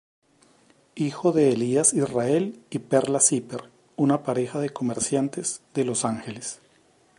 Hijo de Elías Israel y Perla Zipper, una pareja de comerciantes de Los Ángeles.